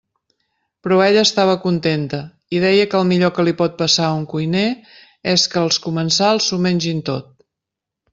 Però ella estava contenta i deia que el millor que li pot passar a un cuiner és que els comensals s'ho mengin tot.